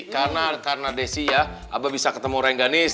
karena desi ya aba bisa ketemu rengganis